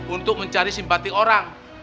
untuk mencari simpati orang